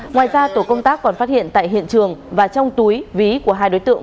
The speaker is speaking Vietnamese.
ngoài ra tổ công tác còn phát hiện tại hiện trường và trong túi ví của hai đối tượng